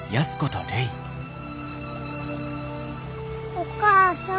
お母さん。